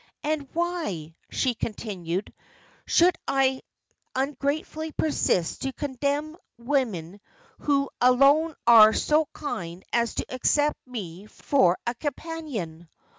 "And why," she continued, "should I ungratefully persist to contemn women who alone are so kind as to accept me for a companion?